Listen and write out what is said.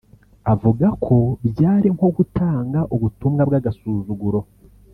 avuga ko byari nko gutanga “ubutumwa bw’agasuzuguro”